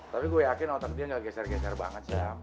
tapi gue yakin otak dia gak geser geser banget ya